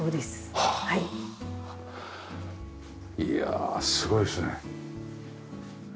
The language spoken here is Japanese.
いやあすごいですね。